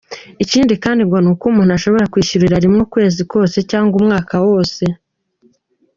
Ikindi ngo nuko umuntu ashobora kwishyurira rimwe ukwezi kose cyangwa umwaka wose.